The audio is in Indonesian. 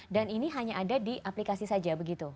dan ini hanya ada di aplikasi saja begitu